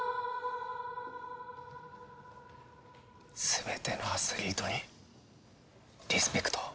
すべてのアスリートにリスペクトを